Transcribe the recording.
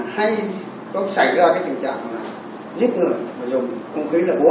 hay có xảy ra cái tình trạng giết người mà dùng hung ký là vúa